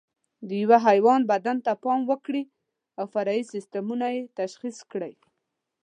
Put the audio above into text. د یوه حیوان بدن ته پام وکړئ او فرعي سیسټمونه یې تشخیص کړئ.